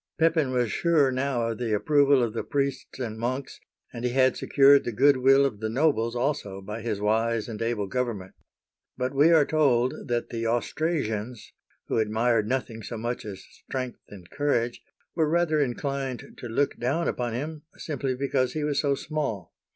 Pepin was sure now of the approval of the priests and monks, and he had secured the good will of the nobles also by his wise and able government. But we are told that the Austrasians — who admired nothing so much as strength and courage — were rather inclined to look down upon him simply because he was so small.